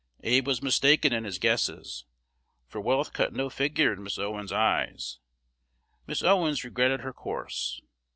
Abe was mistaken in his guesses, for wealth cut no figure in Miss Owens's eyes. Miss Owens regretted her course.